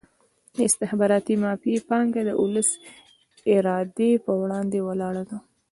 د استخباراتي مافیا پانګه د ولس ارادې په وړاندې ولاړه ده.